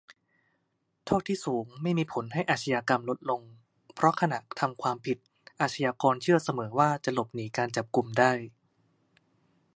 "โทษที่สูงไม่มีผลให้อาชญากรรมลดลง เพราะขณะทำความผิดอาชญากรเชื่อเสมอว่าจะหลบหนีการจับกุมได้"